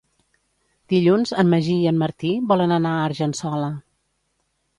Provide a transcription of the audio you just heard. Dilluns en Magí i en Martí volen anar a Argençola.